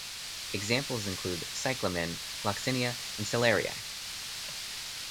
Examples include cyclamen, gloxinia and celeriac.